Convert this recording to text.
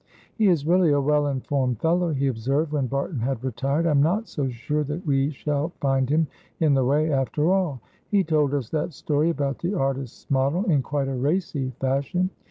"He is really a well informed fellow," he observed, when Barton had retired. "I am not so sure that we shall find him in the way, after all. He told us that story about the artist's model in quite a racy fashion.